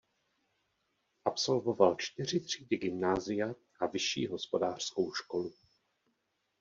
Absolvoval čtyři třídy gymnázia a Vyšší hospodářskou školu.